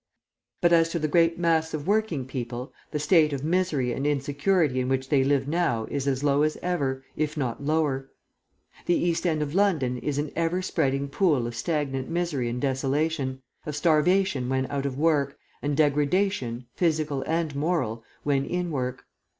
"But as to the great mass of working people, the state of misery and insecurity in which they live now is as low as ever, if not lower. The East End of London is an everspreading pool of stagnant misery and desolation, of starvation when out of work, and degradation, physical and moral, when in work.